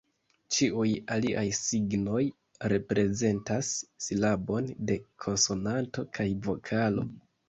Ĉiuj aliaj signoj, reprezentas silabon de konsonanto kaj vokalo.